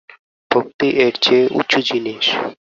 ভক্তি এর চেয়ে উঁচু জিনিষ।